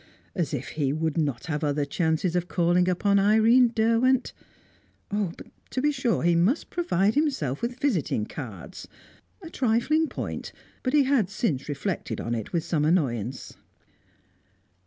As if he would not have other chances of calling upon Irene Derwent! Ah, but, to be sure, he must provide himself with visiting cards. A trifling point, but he had since reflected on it with some annoyance.